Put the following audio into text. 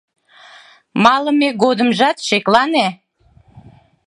Малыме годымжат шеклане.